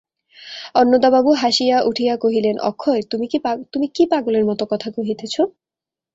অন্নদাবাবু হাসিয়া উঠিয়া কহিলেন, অক্ষয়, তুমি কী পাগলের মতো কথা কহিতেছ!